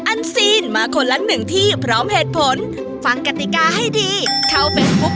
อันซีนมาคนละหนึ่งที่พร้อมเหตุผลฟังกติกาให้ดีเข้าเฟซบุ๊ค